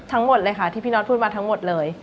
ทั้งหมดเลยค่ะที่พี่น็อตพูดมาทั้งหมดเลย